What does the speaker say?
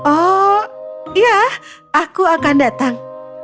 oh ya aku akan datang